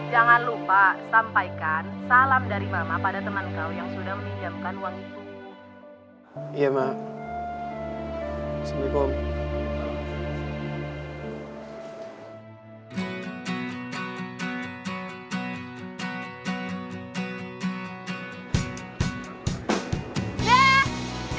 jangan lupa sampaikan salam dari mama pada temen kau yang sudah meninjamkan uang itu